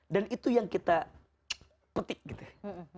dan itu yang kita petik gitu ya